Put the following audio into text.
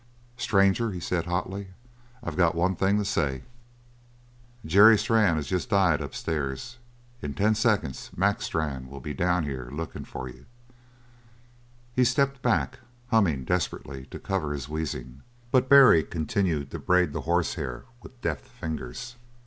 "Stranger," he said hotly, "I got one thing to say: Jerry Strann has just died upstairs. In ten seconds Mac Strann will be down here lookin' for you!" He stepped back, humming desperately to cover his wheezing, but Barry continued to braid the horsehair with deft fingers.